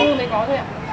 thứ tư mới có thôi ạ